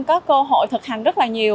có cơ hội thực hành rất là nhiều